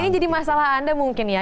ini jadi masalah anda mungkin ya